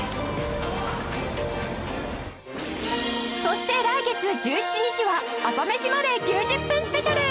そして来月１７日は『朝メシまで。』９０分スペシャル